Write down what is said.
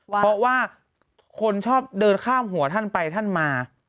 เพราะว่าคนชอบเดินข้ามหัวท่านไปท่านมา